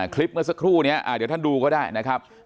คลิปเมื่อสักครู่นี้เดี๋ยวท่านดูก็ได้นะครับ